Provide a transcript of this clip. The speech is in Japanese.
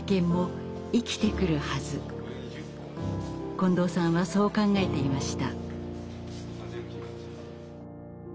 近藤さんはそう考えていました。